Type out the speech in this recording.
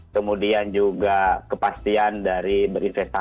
kemudian juga kepastian dari berinvestasi